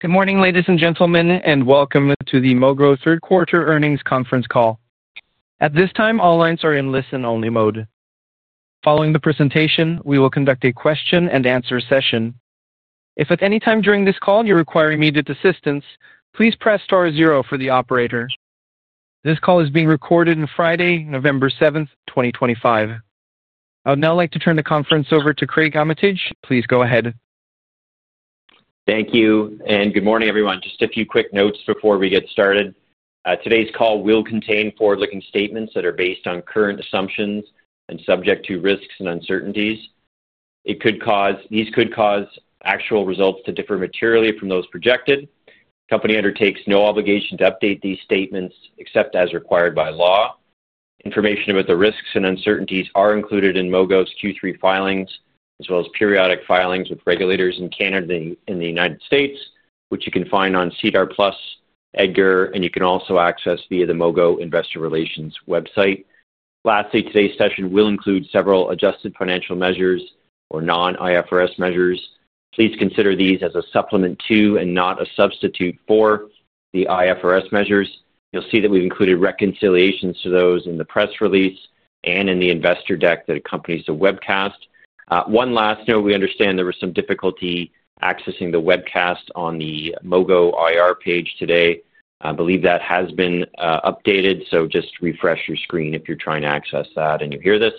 Good morning, ladies and gentlemen, and welcome to the Mogo Inc Third Quarter Earnings Conference Call. At this time, all lines are in listen-only mode. Following the presentation, we will conduct a question-and-answer session. If at any time during this call you require immediate assistance, please press star zero for the operator. This call is being recorded on Friday, November 7, 2025. I would now like to turn the conference over to Craig Armitage. Please go ahead. Thank you, and good morning, everyone. Just a few quick notes before we get started. Today's call will contain forward-looking statements that are based on current assumptions and subject to risks and uncertainties. These could cause actual results to differ materially from those projected. The company undertakes no obligation to update these statements except as required by law. Information about the risks and uncertainties are included in Mogo's Q3 filings, as well as periodic filings with regulators in Canada and the United States, which you can find on SEDAR+, EDGAR, and you can also access via the Mogo Investor Relations website. Lastly, today's session will include several adjusted financial measures or non-IFRS measures. Please consider these as a supplement to and not a substitute for the IFRS measures. You'll see that we've included reconciliations to those in the press release and in the investor deck that accompanies the webcast. One last note, we understand there was some difficulty accessing the webcast on the Mogo IR page today. I believe that has been updated, so just refresh your screen if you're trying to access that and you hear this,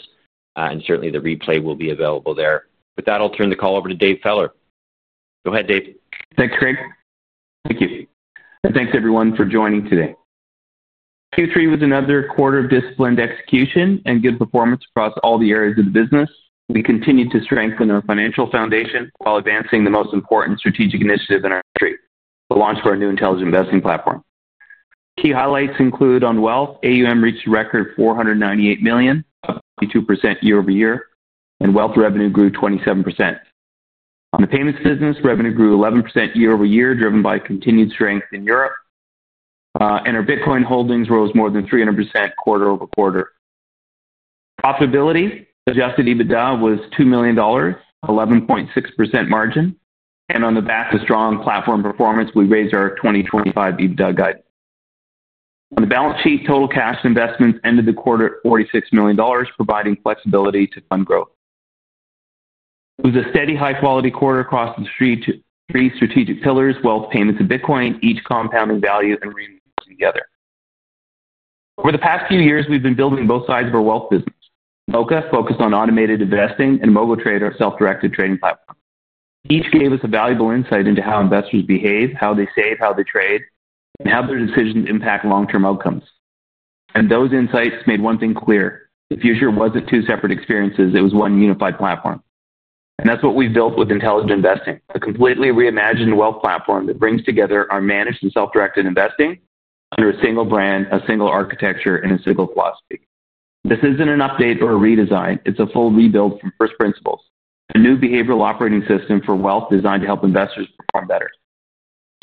and certainly the replay will be available there. With that, I'll turn the call over to Dave Feller. Go ahead, Dave. Thanks, Craig. Thank you. And thanks, everyone, for joining today. Q3 was another quarter of disciplined execution and good performance across all the areas of the business. We continue to strengthen our financial foundation while advancing the most important strategic initiative in our country, the launch of our new Intelligent Investing platform. Key highlights include on wealth, AUM reached a record 498 million, up 22% year-over-year, and wealth revenue grew 27%. On the payments business, revenue grew 11% year-over-year, driven by continued strength in Europe, and our Bitcoin holdings rose more than 300% quarter over quarter. Profitability, adjusted EBITDA was 2 million dollars, 11.6% margin, and on the back of strong platform performance, we raised our 2025 EBITDA guide. On the balance sheet, total cash investments ended the quarter at 46 million dollars, providing flexibility to fund growth. It was a steady, high-quality quarter across the three strategic pillars: wealth, payments, and Bitcoin, each compounding value and revenue together. Over the past few years, we've been building both sides of our wealth business. Moka focused on automated investing, and MogoTrade, our self-directed trading platform. Each gave us a valuable insight into how investors behave, how they save, how they trade, and how their decisions impact long-term outcomes. Those insights made one thing clear: the future was not two separate experiences; it was one unified platform. That is what we've built with Intelligent Investing, a completely reimagined wealth platform that brings together our managed and self-directed investing under a single brand, a single architecture, and a single philosophy. This is not an update or a redesign; it is a full rebuild from first principles: a new behavioral operating system for wealth designed to help investors perform better.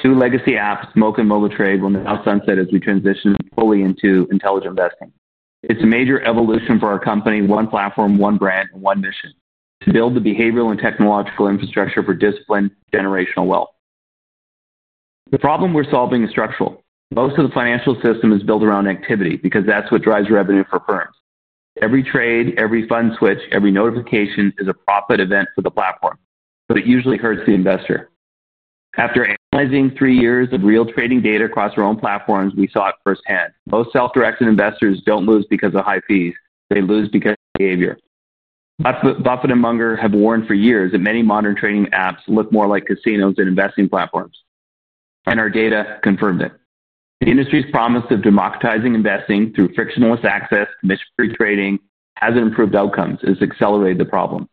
Two legacy apps, Moka and MogoTrade, will now sunset as we transition fully into Intelligent Investing. It is a major evolution for our company: one platform, one brand, and one mission: to build the behavioral and technological infrastructure for disciplined, generational wealth. The problem we are solving is structural. Most of the financial system is built around activity because that is what drives revenue for firms. Every trade, every fund switch, every notification is a profit event for the platform, but it usually hurts the investor. After analyzing three years of real trading data across our own platforms, we saw it firsthand. Most self-directed investors do not lose because of high fees; they lose because of behavior. Buffett and Munger have warned for years that many modern trading apps look more like casinos than investing platforms, and our data confirmed it. The industry's promise of democratizing investing through frictionless access, mission-free trading, has not improved outcomes. It has accelerated the problem.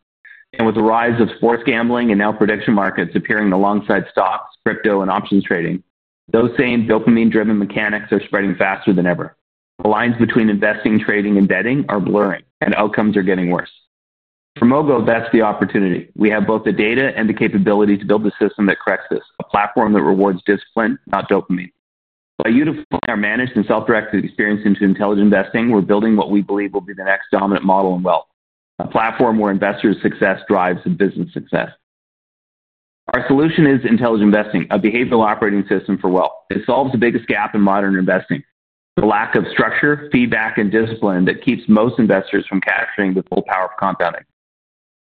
With the rise of sports gambling and now prediction markets appearing alongside stocks, crypto, and options trading, those same dopamine-driven mechanics are spreading faster than ever. The lines between investing, trading, and betting are blurring, and outcomes are getting worse. For Mogo, that is the opportunity. We have both the data and the capability to build a system that corrects this: a platform that rewards discipline, not dopamine. By unifying our managed and self-directed experience into Intelligent Investing, we are building what we believe will be the next dominant model in wealth: a platform where investors' success drives business success. Our solution is Intelligent Investing, a behavioral operating system for wealth. It solves the biggest gap in modern investing: the lack of structure, feedback, and discipline that keeps most investors from capturing the full power of compounding.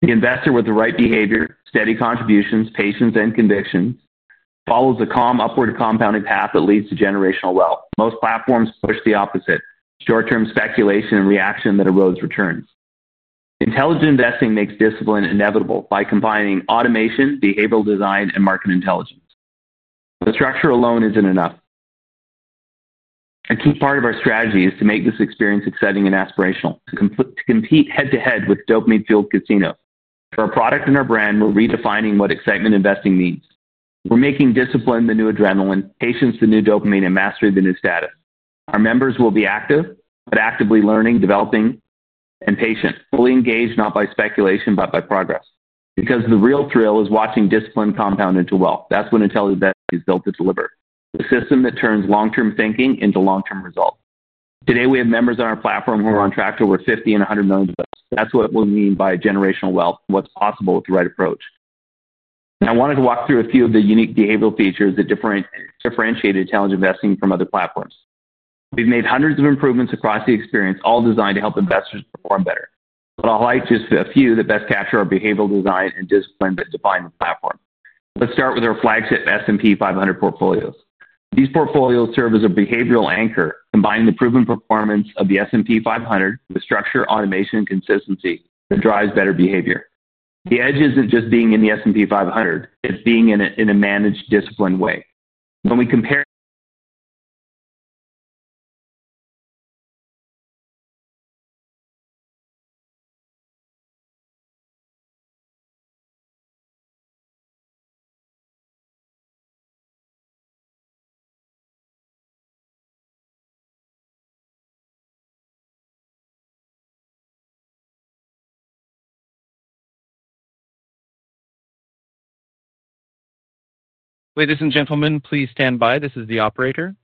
The investor with the right behavior, steady contributions, patience, and conviction follows a calm, upward compounding path that leads to generational wealth. Most platforms push the opposite: short-term speculation and reaction that erodes returns. Intelligent investing makes discipline inevitable by combining automation, behavioral design, and market intelligence. The structure alone is not enough. A key part of our strategy is to make this experience exciting and aspirational, to compete head-to-head with dopamine-fueled casinos. For our product and our brand, we are redefining what excitement investing means. We are making discipline the new adrenaline, patience the new dopamine, and mastery the new status. Our members will be active, but actively learning, developing, and patient, fully engaged, not by speculation but by progress. Because the real thrill is watching discipline compound into wealth. That's what Intelligent Investing is built to deliver: the system that turns long-term thinking into long-term results. Today, we have members on our platform who are on track to over 50 million and 100 million. That's what we mean by generational wealth, what's possible with the right approach. I wanted to walk through a few of the unique behavioral features that differentiate Intelligent Investing from other platforms. We've made hundreds of improvements across the experience, all designed to help investors perform better. I'll highlight just a few that best capture our behavioral design and discipline that define the platform. Let's start with our flagship S&P 500 portfolios. These portfolios serve as a behavioral anchor, combining the proven performance of the S&P 500 with structure, automation, and consistency that drives better behavior. The edge isn't just being in the S&P 500, it's being in a managed, disciplined way. When we compare. Ladies and gentlemen, please stand by. This is the operator.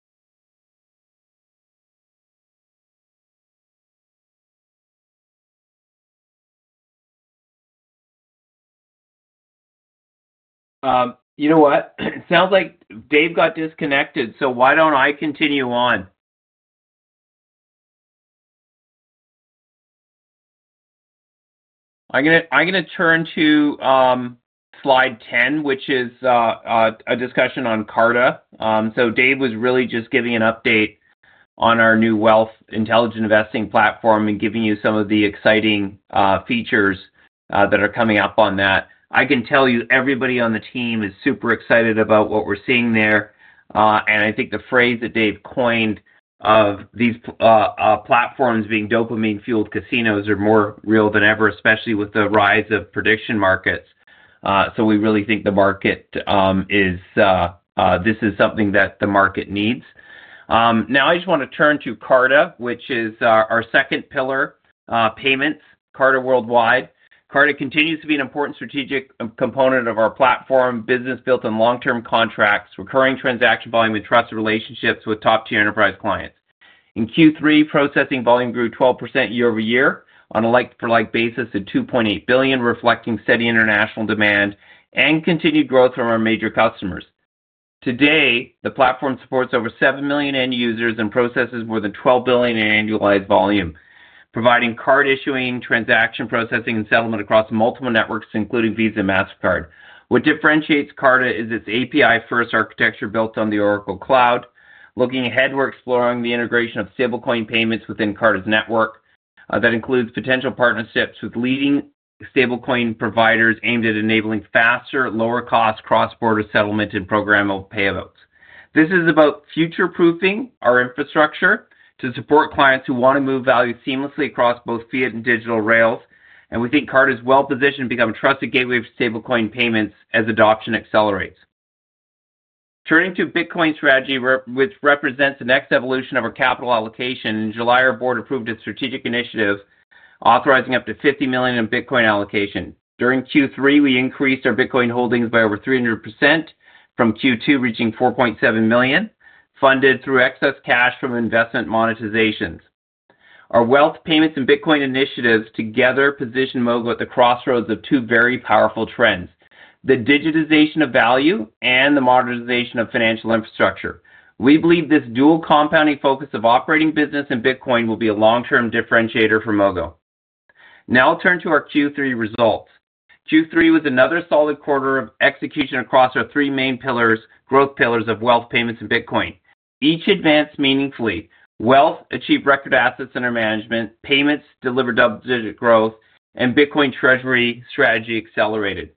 You know what? It sounds like Dave got disconnected, so why don't I continue on? I'm going to turn to slide 10, which is a discussion on Carta. So Dave was really just giving an update on our new wealth Intelligent Investing platform and giving you some of the exciting features that are coming up on that. I can tell you everybody on the team is super excited about what we're seeing there. I think the phrase that Dave coined of these platforms being dopamine-fueled casinos is more real than ever, especially with the rise of prediction markets. We really think the market is—this is something that the market needs. Now, I just want to turn to Carta, which is our second pillar, payments, Carta Worldwide. Carta continues to be an important strategic component of our platform, business built on long-term contracts, recurring transaction volume, and trust relationships with top-tier enterprise clients. In Q3, processing volume grew 12% year-over-year on a like-for-like basis at 2.8 billion, reflecting steady international demand and continued growth from our major customers. Today, the platform supports over 7 million end users and processes more than 12 billion in annualized volume, providing card issuing, transaction processing, and settlement across multiple networks, including Visa and Mastercard. What differentiates Carta is its API-first architecture built on the Oracle Cloud, looking ahead to exploring the integration of stablecoin payments within Carta's network. That includes potential partnerships with leading stablecoin providers aimed at enabling faster, lower-cost cross-border settlement and programmable payouts. This is about future-proofing our infrastructure to support clients who want to move value seamlessly across both fiat and digital rails. We think Carta is well-positioned to become a trusted gateway for stablecoin payments as adoption accelerates. Turning to Bitcoin strategy, which represents the next evolution of our capital allocation, in July, our board approved a strategic initiative authorizing up to 50 million in Bitcoin allocation. During Q3, we increased our Bitcoin holdings by over 300%, from Q2 reaching 4.7 million, funded through excess cash from investment monetizations. Our wealth, payments, and Bitcoin initiatives together position Mogo at the crossroads of two very powerful trends: the digitization of value and the modernization of financial infrastructure. We believe this dual compounding focus of operating business and Bitcoin will be a long-term differentiator for Mogo. Now, I'll turn to our Q3 results. Q3 was another solid quarter of execution across our three main growth pillars of wealth, payments, and Bitcoin. Each advanced meaningfully: wealth achieved record assets under management, payments delivered double-digit growth, and Bitcoin treasury strategy accelerated.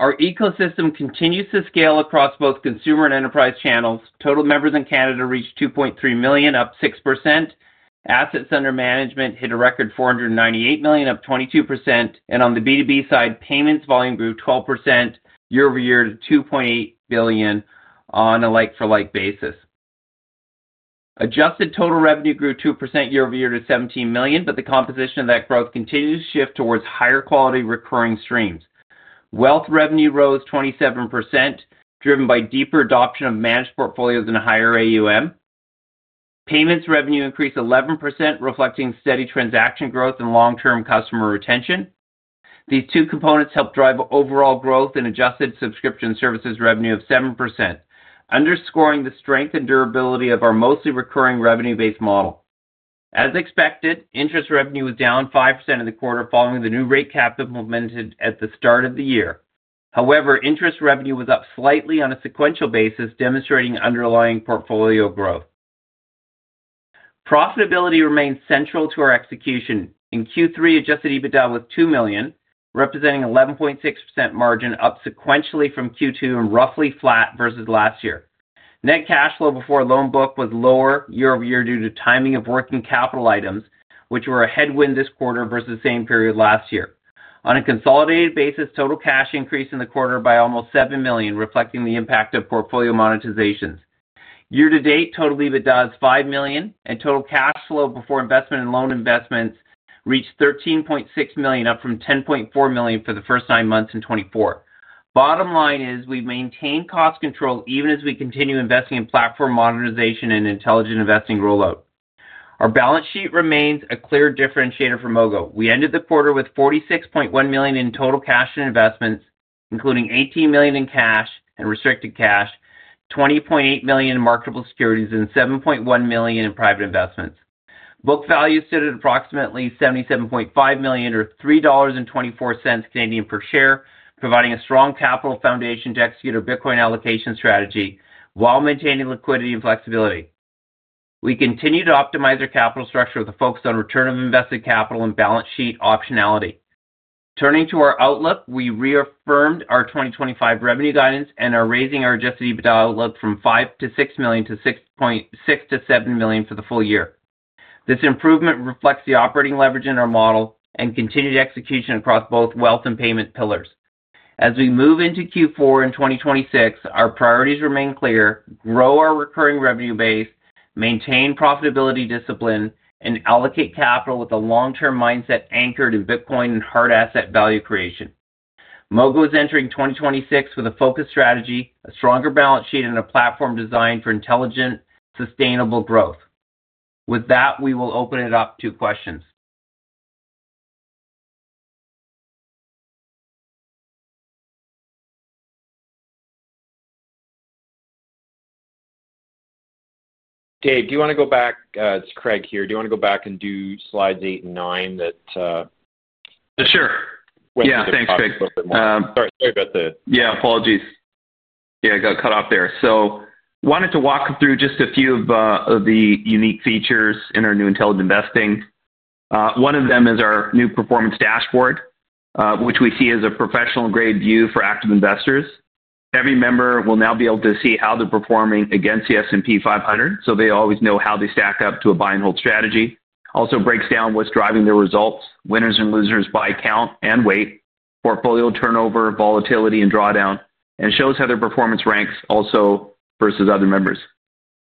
Our ecosystem continues to scale across both consumer and enterprise channels. Total members in Canada reached 2.3 million, up 6%. Assets under management hit a record 498 million, up 22%. On the B2B side, payments volume grew 12% year-over-year to 2.8 billion on a like-for-like basis. Adjusted total revenue grew 2% year-over-year to 17 million, but the composition of that growth continues to shift towards higher quality recurring streams. Wealth revenue rose 27%, driven by deeper adoption of managed portfolios and a higher AUM. Payments revenue increased 11%, reflecting steady transaction growth and long-term customer retention. These two components helped drive overall growth and adjusted subscription services revenue of 7%, underscoring the strength and durability of our mostly recurring revenue-based model. As expected, interest revenue was down 5% in the quarter following the new rate cap implemented at the start of the year. However, interest revenue was up slightly on a sequential basis, demonstrating underlying portfolio growth. Profitability remained central to our execution. In Q3, adjusted EBITDA was 2 million, representing an 11.6% margin, up sequentially from Q2 and roughly flat versus last year. Net cash flow before loan book was lower year-over-year due to timing of working capital items, which were a headwind this quarter versus the same period last year. On a consolidated basis, total cash increased in the quarter by almost 7 million, reflecting the impact of portfolio monetizations. Year-to-date, total EBITDA is 5 million, and total cash flow before investment and loan investments reached 13.6 million, up from 10.4 million for the first nine months in 2024. Bottom line is we maintain cost control even as we continue investing in platform monetization and Intelligent Investing rollout. Our balance sheet remains a clear differentiator for Mogo. We ended the quarter with 46.1 million in total cash and investments, including 18 million in cash and restricted cash, 20.8 million in marketable securities, and 7.1 million in private investments. Book value stood at approximately 77.5 million, or 3.24 Canadian dollars per share, providing a strong capital foundation to execute our Bitcoin allocation strategy while maintaining liquidity and flexibility. We continue to optimize our capital structure with a focus on return on invested capital and balance sheet optionality. Turning to our outlook, we reaffirmed our 2025 revenue guidance and are raising our adjusted EBITDA outlook from 5 million-6 million to 6 million-7 million for the full year. This improvement reflects the operating leverage in our model and continued execution across both wealth and payment pillars. As we move into Q4 in 2026, our priorities remain clear: grow our recurring revenue base, maintain profitability discipline, and allocate capital with a long-term mindset anchored in Bitcoin and hard asset value creation. Mogo is entering 2026 with a focused strategy, a stronger balance sheet, and a platform designed for intelligent, sustainable growth. With that, we will open it up to questions. Dave, do you want to go back? It's Craig here. Do you want to go back and do slides 8 and 9? Sure. Yeah, thanks, Craig. Sorry about that. Yeah, apologies. Yeah, got cut off there. Wanted to walk through just a few of the unique features in our new Intelligent Investing. One of them is our new performance dashboard, which we see as a professional-grade view for active investors. Every member will now be able to see how they're performing against the S&P 500, so they always know how they stack up to a buy-and-hold strategy. Also breaks down what's driving their results, winners and losers by count and weight, portfolio turnover, volatility, and drawdown, and shows how their performance ranks also versus other members.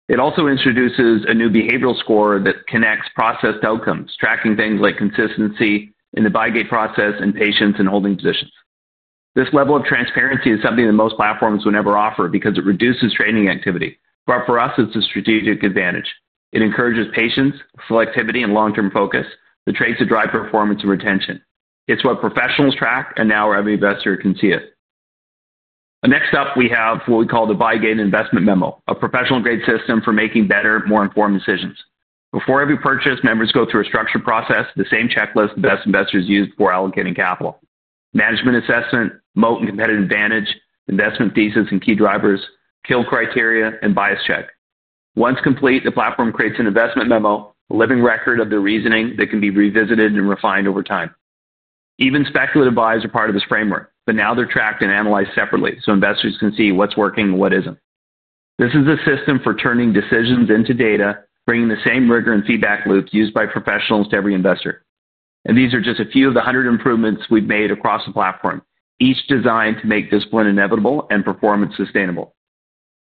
It also introduces a new behavioral score that connects processed outcomes, tracking things like consistency in the buy-gate process and patience in holding positions. This level of transparency is something that most platforms would never offer because it reduces trading activity. For us, it's a strategic advantage. It encourages patience, selectivity, and long-term focus, the traits that drive performance and retention. It's what professionals track, and now every investor can see it. Next up, we have what we call the buy-gate investment memo, a professional-grade system for making better, more informed decisions. Before every purchase, members go through a structured process, the same checklist that best investors use for allocating capital: management assessment, moat and competitive advantage, investment thesis and key drivers, kill criteria, and bias check. Once complete, the platform creates an investment memo, a living record of their reasoning that can be revisited and refined over time. Even speculative buys are part of this framework, but now they're tracked and analyzed separately so investors can see what's working and what isn't. This is a system for turning decisions into data, bringing the same rigor and feedback loop used by professionals to every investor. These are just a few of the hundred improvements we've made across the platform, each designed to make discipline inevitable and performance sustainable.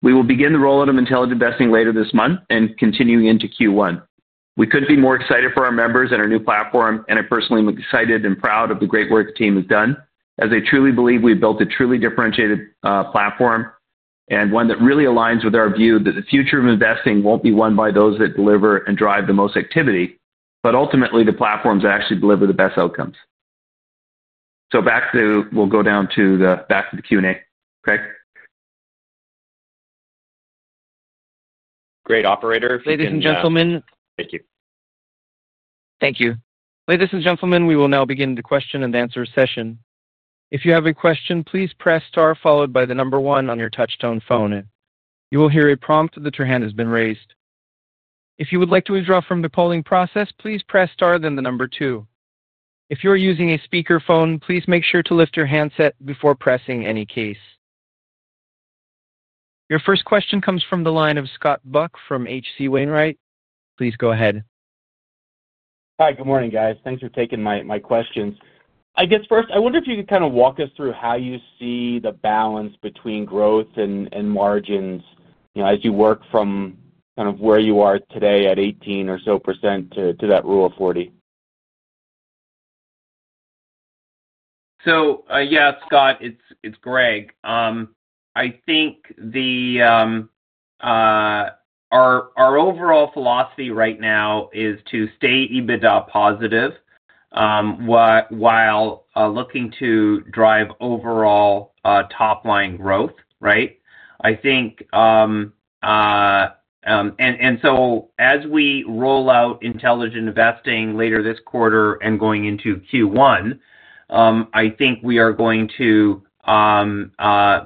We will begin the rollout of Intelligent Investing later this month and continue into Q1. We could not be more excited for our members and our new platform, and I personally am excited and proud of the great work the team has done, as they truly believe we've built a truly differentiated platform and one that really aligns with our view that the future of investing will not be won by those that deliver and drive the most activity, but ultimately, the platforms that actually deliver the best outcomes. Back to the Q&A, Craig. Great. Operator, if you can. Ladies and gentlemen. Thank you. Thank you. Ladies and gentlemen, we will now begin the question and answer session. If you have a question, please press star followed by the number one on your touch-tone phone. You will hear a prompt that your hand has been raised. If you would like to withdraw from the polling process, please press star then the number two. If you are using a speakerphone, please make sure to lift your handset before pressing any keys. Your first question comes from the line of Scott Buck from HC Wainwright. Please go ahead. Hi, good morning, guys. Thanks for taking my questions. I guess first, I wonder if you could kind of walk us through how you see the balance between growth and margins as you work from kind of where you are today at 18% or so to that rule of 40. Yeah, Scott, it's Greg. I think our overall philosophy right now is to stay EBITDA positive while looking to drive overall top-line growth, right? I think, as we roll out Intelligent Investing later this quarter and going into Q1, I think we are going to be in a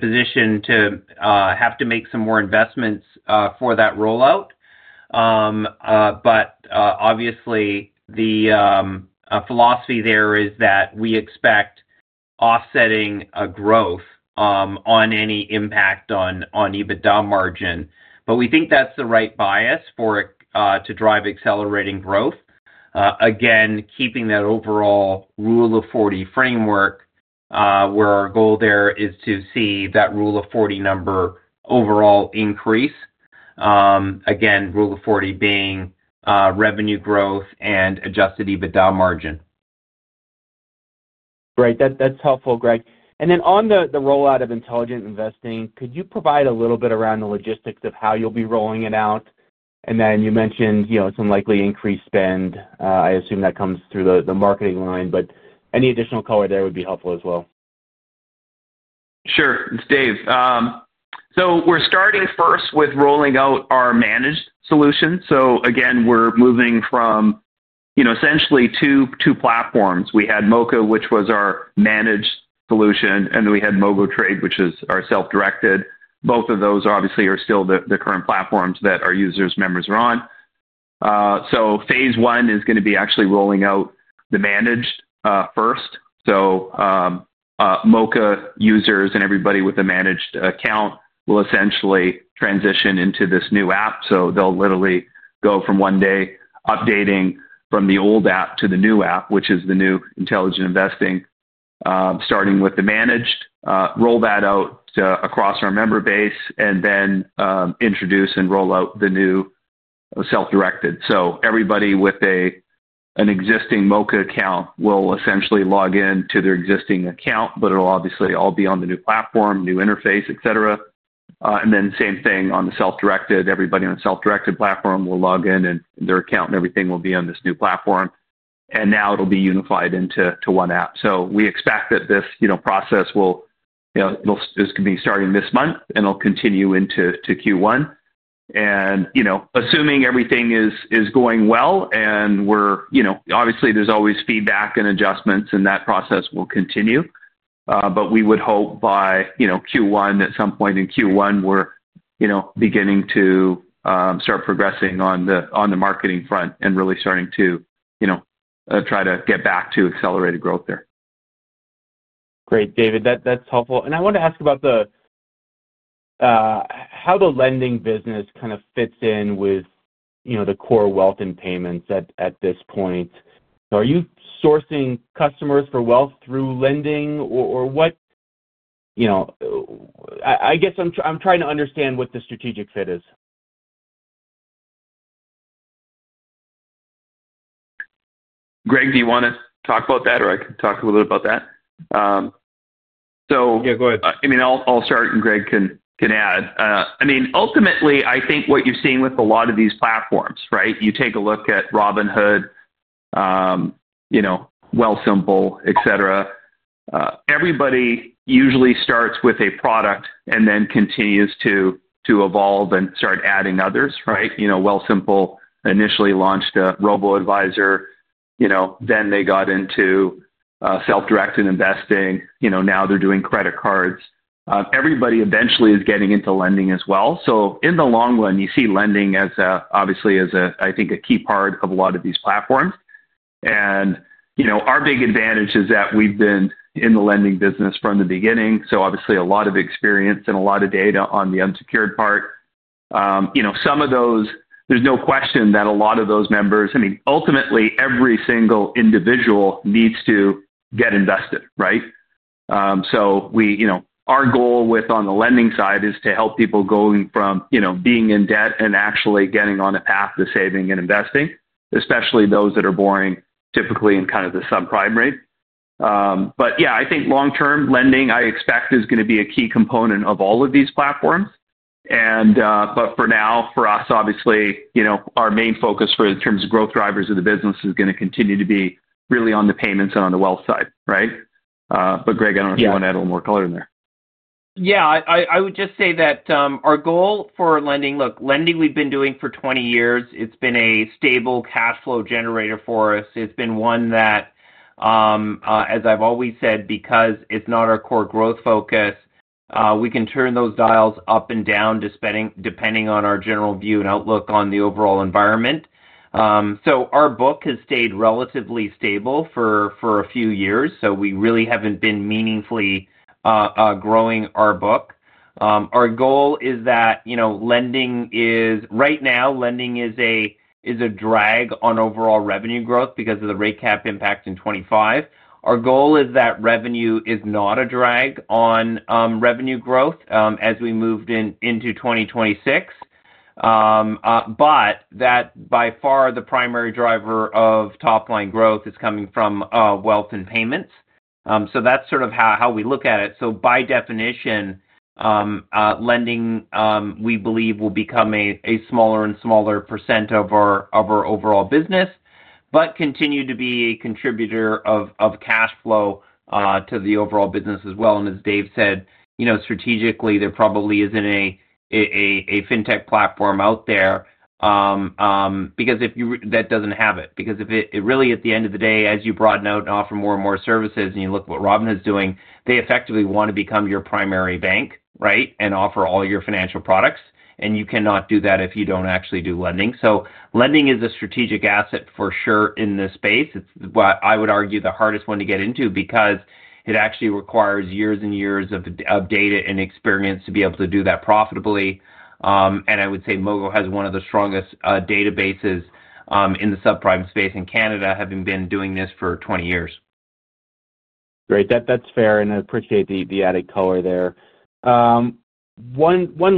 position to have to make some more investments for that rollout. Obviously, the philosophy there is that we expect offsetting growth on any impact on EBITDA margin. We think that's the right bias to drive accelerating growth. Again, keeping that overall rule of 40 framework, where our goal there is to see that rule of 40 number overall increase. Again, rule of 40 being revenue growth and adjusted EBITDA margin. Great. That's helpful, Greg. Then on the rollout of Intelligent Investing, could you provide a little bit around the logistics of how you'll be rolling it out? You mentioned some likely increased spend. I assume that comes through the marketing line, but any additional color there would be helpful as well. Sure. It's Dave. We're starting first with rolling out our managed solution. Again, we're moving from essentially two platforms. We had Moka, which was our managed solution, and we had MogoTrade, which is our self-directed. Both of those, obviously, are still the current platforms that our users, members are on. Phase one is going to be actually rolling out the managed first. Moka users and everybody with a managed account will essentially transition into this new app. They'll literally go from one day updating from the old app to the new app, which is the new Intelligent Investing, starting with the managed, roll that out across our member base, and then introduce and roll out the new self-directed. Everybody with an existing Moka account will essentially log in to their existing account, but it will obviously all be on the new platform, new interface, etc. The same thing on the self-directed. Everybody on the self-directed platform will log in, and their account and everything will be on this new platform. Now it will be unified into one app. We expect that this process will start this month, and it will continue into Q1. Assuming everything is going well and we are—obviously, there is always feedback and adjustments, and that process will continue. We would hope by Q1, at some point in Q1, we are beginning to start progressing on the marketing front and really starting to try to get back to accelerated growth there. Great. David, that's helpful. I wanted to ask about how the lending business kind of fits in with the core wealth and payments at this point. Are you sourcing customers for wealth through lending, or what? I guess I'm trying to understand what the strategic fit is. Greg, do you want to talk about that, or I can talk a little bit about that? Yeah, go ahead. I mean, I'll start, and Greg can add. I mean, ultimately, I think what you've seen with a lot of these platforms, right? You take a look at Robinhood, Wealthsimple, etc. Everybody usually starts with a product and then continues to evolve and start adding others, right? Wealthsimple initially launched a robo-advisor. Then they got into self-directed investing. Now they're doing credit cards. Everybody eventually is getting into lending as well. In the long run, you see lending obviously as, I think, a key part of a lot of these platforms. Our big advantage is that we've been in the lending business from the beginning. Obviously, a lot of experience and a lot of data on the unsecured part. Some of those—there's no question that a lot of those members—I mean, ultimately, every single individual needs to get invested, right? Our goal on the lending side is to help people going from being in debt and actually getting on a path to saving and investing, especially those that are borrowing typically in kind of the subprime rate. Yeah, I think long-term lending, I expect, is going to be a key component of all of these platforms. For now, for us, obviously, our main focus for the terms of growth drivers of the business is going to continue to be really on the payments and on the wealth side, right? Greg, I do not know if you want to add a little more color in there. Yeah. I would just say that our goal for lending—look, lending we have been doing for 20 years. It has been a stable cash flow generator for us. It's been one that, as I've always said, because it's not our core growth focus, we can turn those dials up and down depending on our general view and outlook on the overall environment. Our book has stayed relatively stable for a few years. We really haven't been meaningfully growing our book. Our goal is that lending is—right now, lending is a drag on overall revenue growth because of the rate cap impact in 2025. Our goal is that revenue is not a drag on revenue growth as we move into 2026, but that by far the primary driver of top-line growth is coming from wealth and payments. That is sort of how we look at it. By definition, lending, we believe, will become a smaller and smaller % of our overall business, but continue to be a contributor of cash flow to the overall business as well. As Dave said, strategically, there probably is not a fintech platform out there that does not have it. Because really, at the end of the day, as you broaden out and offer more and more services and you look at what Robinhood is doing, they effectively want to become your primary bank, right, and offer all your financial products. You cannot do that if you do not actually do lending. Lending is a strategic asset for sure in this space. It is, I would argue, the hardest one to get into because it actually requires years and years of data and experience to be able to do that profitably. I would say Mogo has one of the strongest databases in the subprime space in Canada, having been doing this for 20 years. Great. That's fair. I appreciate the added color there. One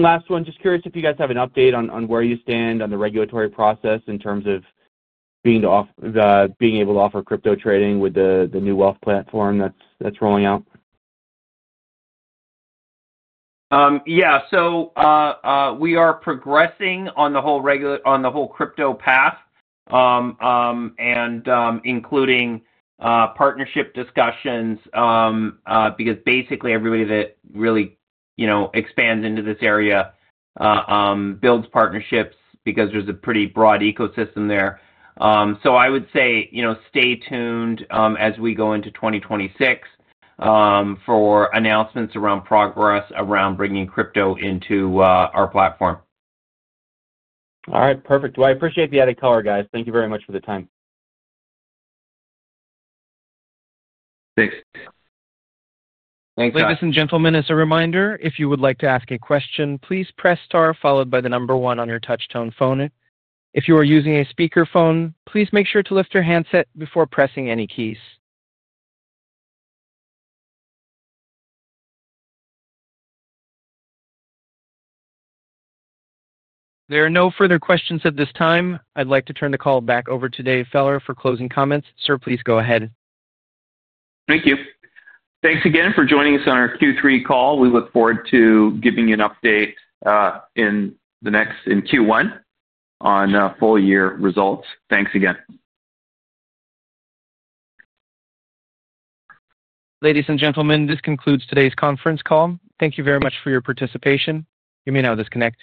last one. Just curious if you guys have an update on where you stand on the regulatory process in terms of being able to offer crypto trading with the new wealth platform that's rolling out. Yeah. We are progressing on the whole crypto path and including partnership discussions because basically everybody that really expands into this area builds partnerships because there's a pretty broad ecosystem there. I would say stay tuned as we go into 2026 for announcements around progress around bringing crypto into our platform. All right. Perfect. I appreciate the added color, guys. Thank you very much for the time. Thanks. Thanks, guys. Ladies and gentlemen, as a reminder, if you would like to ask a question, please press star followed by the number one on your touch-tone phone. If you are using a speakerphone, please make sure to lift your handset before pressing any keys. There are no further questions at this time. I'd like to turn the call back over to Dave Feller for closing comments. Sir, please go ahead. Thank you. Thanks again for joining us on our Q3 call. We look forward to giving you an update in Q1 on full-year results. Thanks again. Ladies and gentlemen, this concludes today's conference call. Thank you very much for your participation. You may now disconnect.